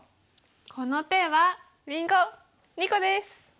この手はりんご２個です！